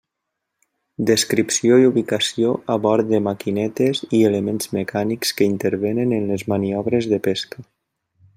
Descripció i ubicació a bord de maquinetes i elements mecànics que intervenen en les maniobres de pesca.